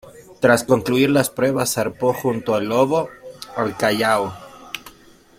Tras concluir las pruebas, zarpó junto al "Lobo" al Callao.